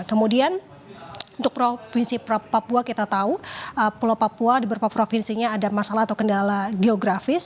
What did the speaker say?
kemudian untuk provinsi papua kita tahu pulau papua di beberapa provinsinya ada masalah atau kendala geografis